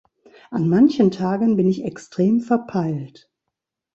An manchen Tagen bin ich extrem verpeilt.